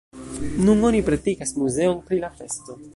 Nun oni pretigas muzeon pri la festo.